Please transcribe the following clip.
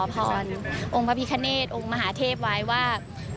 พระพิกเนตองค์มหาเทพไว้ว่า